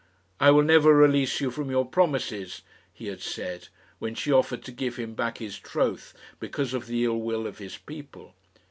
"I will never release you from your promises," he had said, when she offered to give him back his troth because of the ill will of his people.